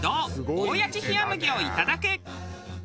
大矢知冷麦をいただく。